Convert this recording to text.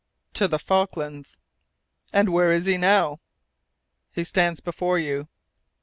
"To the Falklands." "And where is he now?" "He stands before you."